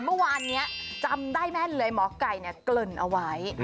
เมื่อวานนี้จำได้แม่นเลยหมอไก่เกริ่นเอาไว้